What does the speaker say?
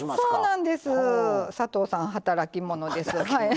砂糖さん、働き者です。